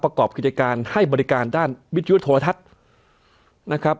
ประกอบกิจการให้บริการด้านวิทยุโทรทัศน์นะครับ